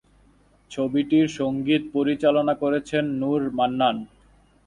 ছবিটির সঙ্গীত পরিচালনা করেছেন নূর মান্নান।